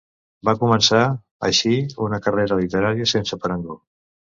Va començar, així, una carrera literària sense parangó.